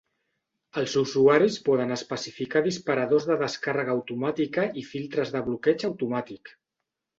Els usuaris poden especificar disparadors de descàrrega automàtica i filtres de bloqueig automàtic.